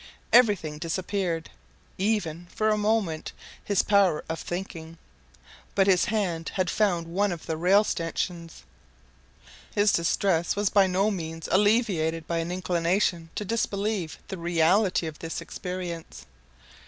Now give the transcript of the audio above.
Everything disappeared even, for a moment, his power of thinking; but his hand had found one of the rail stanchions. His distress was by no means alleviated by an inclination to disbelieve the reality of this experience.